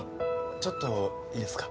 ちょっといいですか？